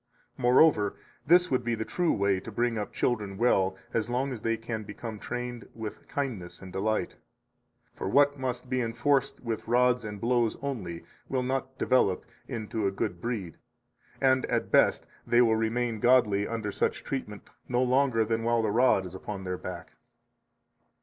Moreover, this would be the true way to bring up children well as long as they can become trained with kindness and delight. For what must be enforced with rods and blows only will not develop into a good breed, and at best they will remain godly under such treatment no longer than while the rod is upon their back.